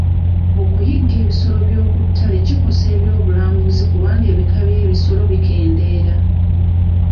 Okuyigga ebisolo by'okuttale kikosa ebyobulambuuzi kubanga ebika by'ebisolo bikeendera.